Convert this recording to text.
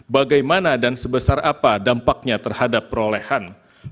bagaimana dan sebesar apa dampaknya terhadap perolehan